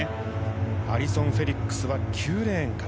アリソン・フェリックスは９レーンから。